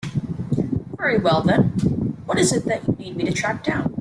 Very well then, what is it that you need me to track down?